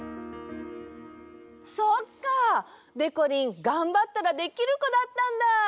そっか！でこりんがんばったらできるこだったんだ！